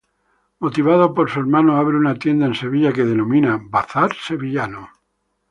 Motivado por su hermano abre una tienda en Sevilla que denomina "Bazar Sevillano".